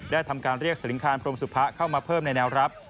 ทำการเรียกสลิงคารพรมสุพะเข้ามาเพิ่มในแนวรับ